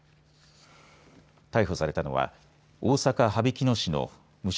逮捕されたのは大阪羽曳野市の無職